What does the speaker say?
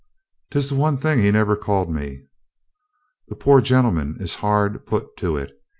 " 'Tis the one thing he never called me." "The poor gentleman is hard put to it.